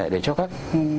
để cho các